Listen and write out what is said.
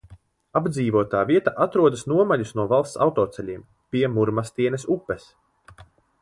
Apdzīvotā vieta atrodas nomaļus no valsts autoceļiem, pie Murmastienes upes.